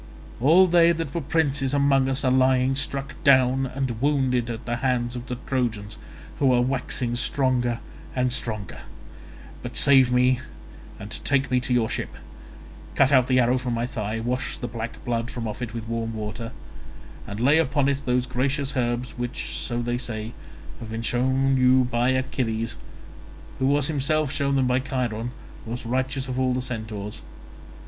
All they that were princes among us are lying struck down and wounded at the hands of the Trojans, who are waxing stronger and stronger. But save me and take me to your ship; cut out the arrow from my thigh; wash the black blood from off it with warm water, and lay upon it those gracious herbs which, so they say, have been shown you by Achilles, who was himself shown them by Chiron, most righteous of all the centaurs.